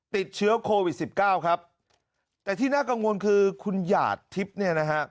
ติดเชื้อโควิดสิบเก้าครับแต่ที่น่ากังวลคือคุณหยาดทิพย์เนี่ยนะฮะ